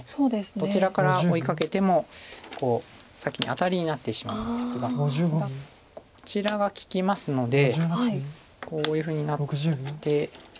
どちらから追いかけても先にアタリになってしまうんですがただこちらが利きますのでこういうふうになって。